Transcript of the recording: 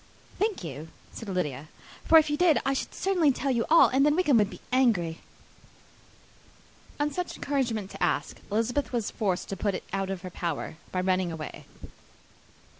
"Thank you," said Lydia; "for if you did, I should certainly tell you all, and then Wickham would be so angry." On such encouragement to ask, Elizabeth was forced to put it out of her power, by running away.